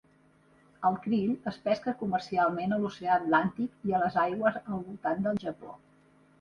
El krill es pesca comercialment a l'oceà Atlàntic i a les aigües al voltant del Japó.